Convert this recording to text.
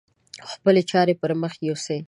او خپلې چارې پر مخ يوسي.